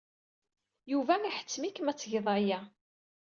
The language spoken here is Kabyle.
Yuba iḥettem-ikem ad tged aya.